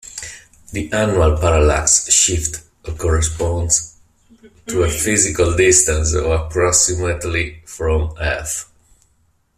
The annual parallax shift of corresponds to a physical distance of approximately from Earth.